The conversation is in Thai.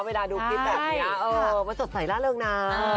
เวลาดูคลิปแบบนี้มันสดใสล่าเริงนะ